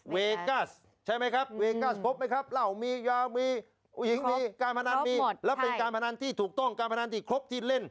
เวกัสใช่ไหมครับเวกัสพบไหมครับ